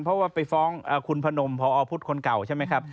เพราะว่าไปฟ้องคุณพนมพอพุทธคนเก่าใช่ไหมครับ